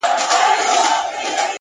هوښیار فکر د راتلونکي خطر کموي’